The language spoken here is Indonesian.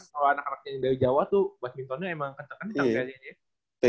kalau anak anaknya yang dari jawa tuh badmintonnya emang kenceng kenceng